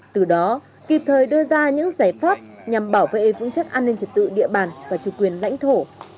từ đó kịp thời đưa ra những giải pháp nhằm bảo vệ vững chắc an ninh trật tự địa bàn và chủ quyền lãnh thổ